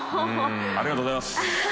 ありがとうございます。